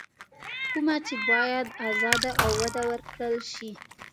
کومه چې بايد ازاده او وده ورکړل شي.